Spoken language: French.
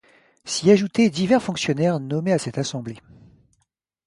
S’y ajoutaient divers fonctionnaires nommés à cette assemblée.